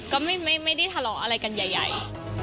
ก็ไม่ได้ทะเลาะอะไรกันใหญ่